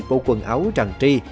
bộ quần áo tràn tri